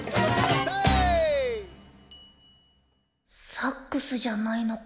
サックスじゃないのか。